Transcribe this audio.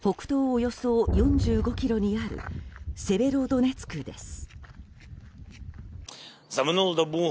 およそ４５ｋｍにあるセベロドネツクです。